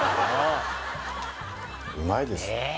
うまいです